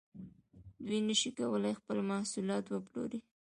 دوی نشي کولای خپل محصولات وپلوري